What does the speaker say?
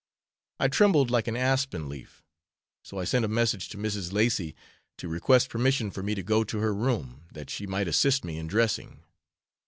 I trembled like an aspen leaf; so I sent a message to Mrs. Lacy to request permission for me to go to her room, that she might assist me in dressing.